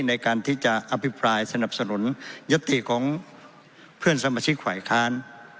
ในการที่จะอภิปรายสนับสนุนยศติของเพื่อนสมาชิกฝ่ายค้าน